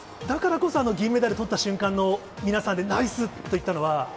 だからこそ、銀メダルとった瞬間の、皆さんでナイスって言ったのは。